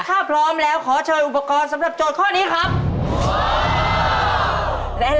ถ้าพร้อมแล้วขอเชิญอุปกรณ์สำหรับโจทย์ข้อนี้ครับ